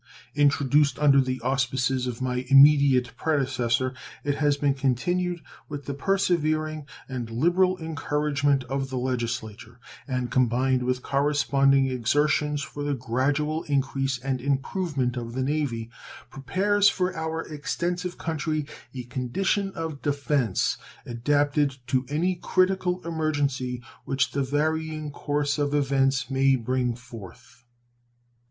Introduced under the auspices of my immediate predecessor, it has been continued with the persevering and liberal encouragement of the Legislature, and, combined with corresponding exertions for the gradual increase and improvement of the Navy, prepares for our extensive country a condition of defense adapted to any critical emergency which the varying course of events may bring forth.